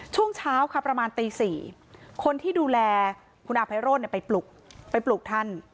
ช่วงเช้าค่ะประมาณตี๔คนที่ดูแลคุณอาภัยโรธไปปลุกไปปลุกท่าน